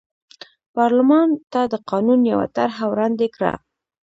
پارلمان ته د قانون یوه طرحه وړاندې کړه.